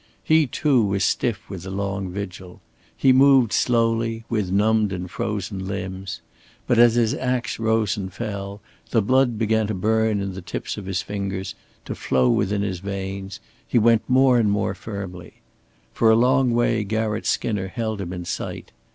He too was stiff with the long vigil. He moved slowly, with numbed and frozen limbs. But as his ax rose and fell, the blood began to burn in the tips of his fingers, to flow within his veins; he went more and more firmly. For a long way Garratt Skinner held him in sight.